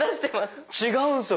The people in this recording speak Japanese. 違うんすよ！